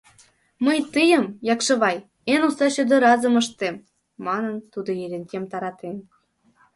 — Мый тыйым, Якшывай, эн уста чодыразым ыштем, — манын, тудо Ерентем таратен.